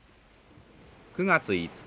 ９月５日